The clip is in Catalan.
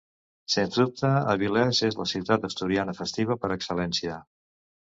Sens dubte Avilés és la ciutat asturiana festiva per excel·lència.